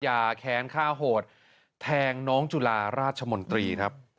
แค้นฆ่าโหดแทงน้องจุฬาราชมนตรีครับ